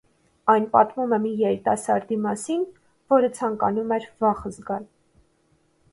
Այն պատմում է մի երիտասարդի մասին, որը ցանկանում էր վախ զգալ։